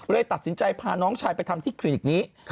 ตัดสินใจพาน้องชายไปทำที่คลินิกนี้